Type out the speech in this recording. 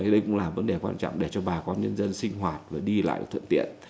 đây cũng là vấn đề quan trọng để cho bà con nhân dân sinh hoạt và đi lại thuận tiện